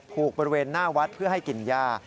บริเวณหน้าวัดเพื่อให้กินย่า